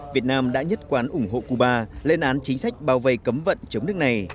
việt nam đã nhất quán ủng hộ cuba lên án chính sách bao vây cấm vận chống nước này